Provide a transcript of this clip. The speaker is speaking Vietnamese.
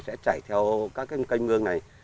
sẽ chảy theo các cái cây ngương này